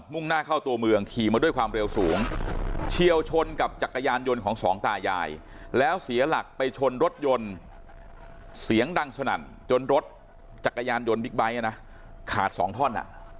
่งหน้าเข้าตัวเมืองขี่มาด้วยความเร็วสูงเฉียวชนกับจักรยานยนต์ของสองตายายแล้วเสียหลักไปชนรถยนต์เสียงดังสนั่นจนรถจักรยานยนต์บิ๊กไบท์นะขาดสองท่อน